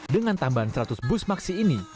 dengan tambahan seratus bus maksi ini